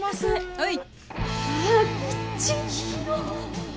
はい。